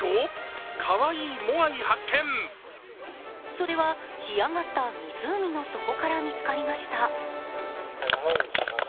それは、干上がった湖の底から見つかりました。